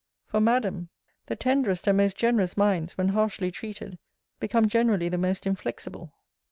For, Madam, the tenderest and most generous minds, when harshly treated, become generally the most inflexible.